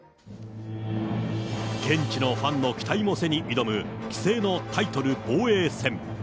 現地のファンの期待も背に挑む棋聖のタイトル防衛戦。